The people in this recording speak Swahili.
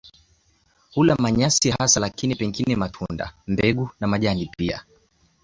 Hula manyasi hasa lakini pengine matunda, mbegu na majani pia.